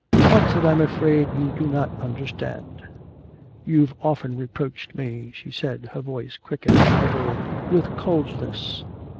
'Much that I'm afraid you'd not understand. You've often reproached me,' she said, her voice quickening a little, 'with coldness.